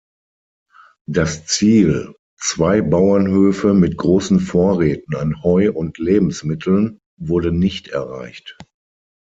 Das Ziel, zwei Bauernhöfe mit großen Vorräten an Heu und Lebensmitteln, wurde nicht erreicht.